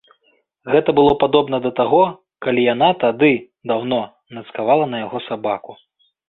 Гэта было падобна да таго, калі яна тады, даўно, нацкавала на яго сабаку.